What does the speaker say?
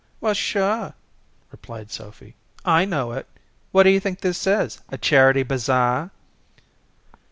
"Well, sure," replied Sophy. "I know it. What do you think this is? A charity bazaar?"